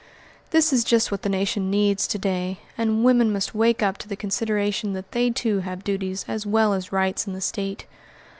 This is just what the nation needs to day, and women must wake up to the consideration that they, too, have duties as well as rights in the State.